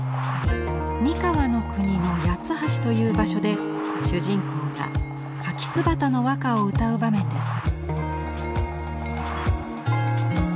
三河国の八橋という場所で主人公がカキツバタの和歌を歌う場面です。